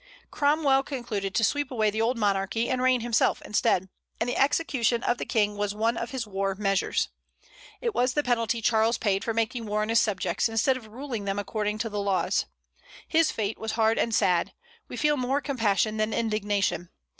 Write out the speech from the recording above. Cromwell concluded to sweep away the old monarchy, and reign himself instead; and the execution of the King was one of his war measures. It was the penalty Charles paid for making war on his subjects, instead of ruling them according to the laws. His fate was hard and sad; we feel more compassion than indignation.